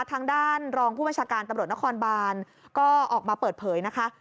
ทางด้านรองผู้บัญชาการตำรวจนครบานก็ออกมาเปิดเผยนะคะ